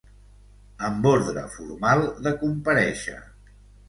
Amb ordre formal de comparèixer.